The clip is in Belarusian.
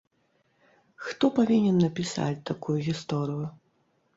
Хто павінен напісаць такую гісторыю?